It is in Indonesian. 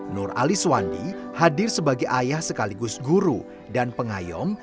nur ali suwandi hadir sebagai ayah sekaligus guru dan pengayom